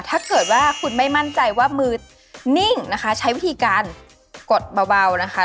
ถ้าเกิดว่าคุณไม่มั่นใจว่ามือนิ่งนะคะใช้วิธีการกดเบานะคะ